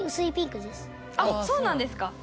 あっそうなんですか？